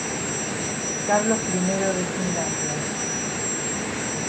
Carlos I de Finlandia